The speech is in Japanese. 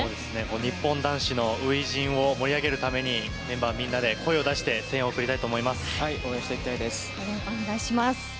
日本男子の初陣を盛り上げるためにメンバーみんなで声を出して応援していきたいと思います。